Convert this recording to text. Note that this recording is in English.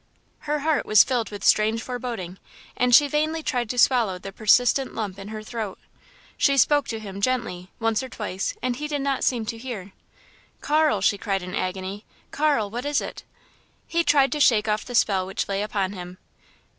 Her heart was filled with strange foreboding and she vainly tried to swallow the persistent lump in her throat. She spoke to him, gently, once or twice and he did not seem to hear. "Carl!" she cried in agony, "Carl! What is it?" He tried to shake off the spell which lay upon him.